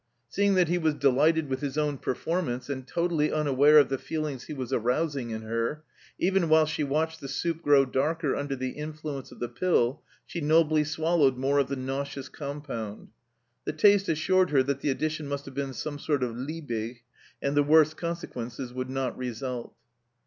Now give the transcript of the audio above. Seeing that he was delighted with his own performance, and totally unaware of the feelings he was arousing in her, even while she watched the soup grow darker under the influence of the pill, she nobly swallowed more of the nauseous compound. The taste assured her that the addition must have been some sort of Liebig, and the worst consequences would not result